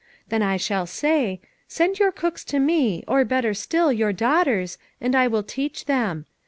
' Then I shall say: 'Send your cooks to me, or, better still, your daughters, and I will teach them.'